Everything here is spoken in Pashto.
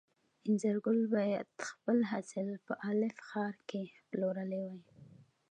انځرګل باید خپل حاصل په الف ښار کې پلورلی وای.